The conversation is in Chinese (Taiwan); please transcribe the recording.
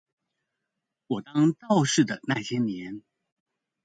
我當道士那些年